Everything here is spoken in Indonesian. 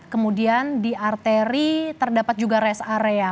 kemudian di arteri terdapat juga rest area